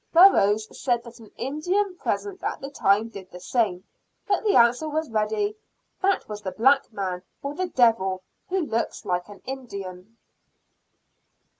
Burroughs said that an Indian present at the time did the same, but the answer was ready. "That was the black man, or the Devil, who looks like an Indian."